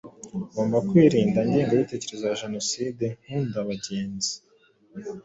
ngomba kwirinda Ingengabitekerezo ya Jenoside nkunda bagenzi